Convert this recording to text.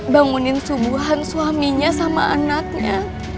bangunin subuhan suaminya sama anaknya